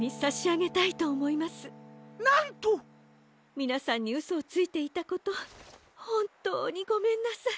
みなさんにうそをついていたことほんとうにごめんなさい。